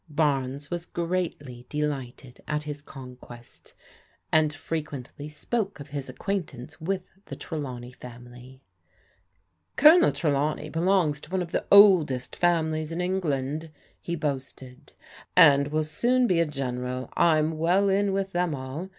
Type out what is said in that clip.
Barnes was greatly deligbted at his conquest, 2LXid iter 32 PRODIGAL DAUGHTERS quently spoke of his acquaintance with the, Trdawnej family. " Colonel Trelawney belongs to one of the oldest fam ilies in England," he boasted, " and will soon be a Gen eral. I'm well in with them all.